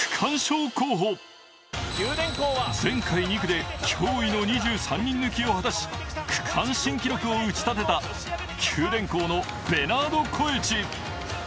前回２区で驚異の２３人抜きを果たし区間新記録を打ち立てた九電工のベナード・コエチ。